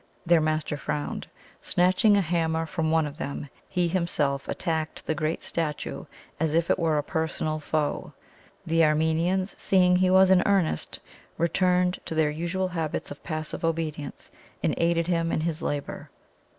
Their master frowned. Snatching a hammer from one of them, he himself attacked the great statue as if it were a personal foe. The Armenians, seeing he was in earnest, returned to their usual habits of passive obedience, and aided him in his labour.